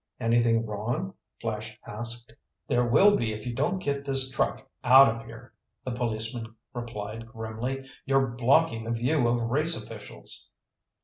"Anything wrong?" Flash asked. "There will be if you don't get this truck out of here!" the policeman replied grimly. "You're blocking the view of race officials."